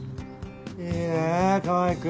いいねぇ川合君。